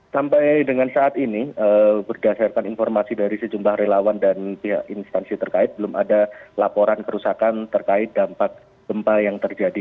sampai dengan saat ini berdasarkan informasi dari sejumlah relawan dan pihak instansi terkait belum ada laporan kerusakan terkait dampak gempa yang terjadi